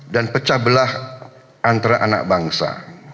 dan pecah belah antara anak bangsa